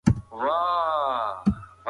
موږ به په پټي کې سابه وکرو.